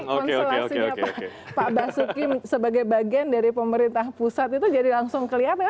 jadi konsulasinya pak basuki sebagai bagian dari pemerintah pusat itu jadi langsung kelihatan